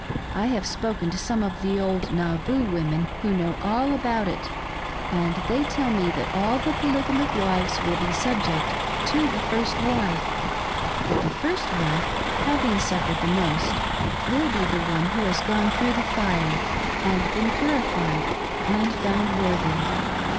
I have spoken to some of the old Nauvoo women who know all about it, and they tell me that all the Poly gamic wives will be subject to the first wife; but the first wife, having suffered most, will be the one who has gone through the fire and been purified, and found worthy."